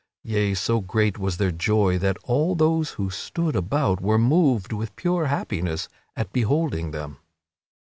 Yea, so great was their joy that all those who stood about were moved with pure happiness at beholding them.